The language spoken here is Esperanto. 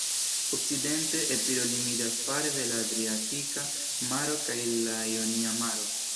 Okcidente, Epiro limiĝas fare de la Adriatika Maro kaj la Ionia Maro.